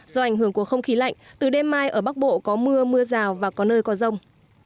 do ảnh hưởng của không khí lạnh từ đêm mai ở bắc bộ có mưa mưa rào và có nơi có rông